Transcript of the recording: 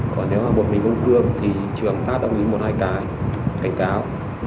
còn nếu mà một mình ông cương thì trường tát ông ý một hai cái cảnh cáo